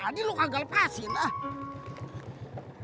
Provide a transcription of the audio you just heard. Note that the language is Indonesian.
tadi lo kagak lepasin ah